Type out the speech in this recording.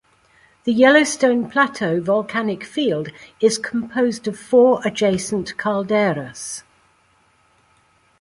The Yellowstone Plateau volcanic field is composed of four adjacent calderas.